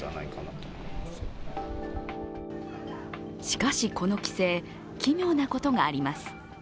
しかしこの規制奇妙なことがあります。